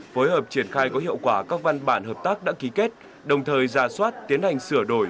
phối hợp triển khai có hiệu quả các văn bản hợp tác đã ký kết đồng thời ra soát tiến hành sửa đổi